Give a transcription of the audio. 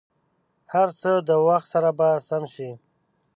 هر څه د وخت سره به سم شي.